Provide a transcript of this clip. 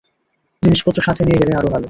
জিনিসপত্র সাথে নিয়ে গেলে আরো ভালো।